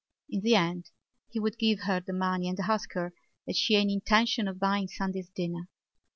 In the end he would give her the money and ask her had she any intention of buying Sunday's dinner.